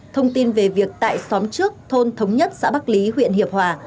thông tin về việc tại xóm trước thôn thống nhất xã bắc lý huyện hiệp hòa